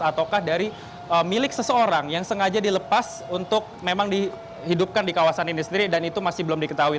ataukah dari milik seseorang yang sengaja dilepas untuk memang dihidupkan di kawasan ini sendiri dan itu masih belum diketahui